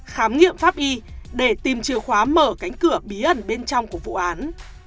khám nghiệm pháp y để tìm chìa khóa mở cánh cửa bí ẩn bên trong của vụ án